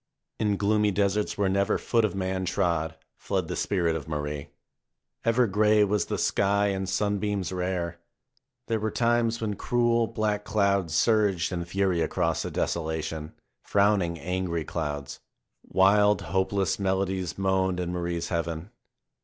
In gloomy deserts, where never foot of man trod, fled the spirit of Marie. Ever gray was the sky and sunbeams rare. There were times when cruel, black clouds surged in fury across the desolation, frowning angry clouds. Wild, hopeless melodies moaned in Marie's heaven.